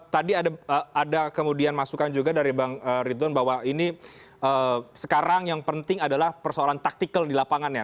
tadi ada kemudian masukan juga dari bang ridwan bahwa ini sekarang yang penting adalah persoalan taktikal di lapangannya